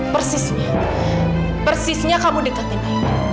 persisnya persisnya kamu dekatin aida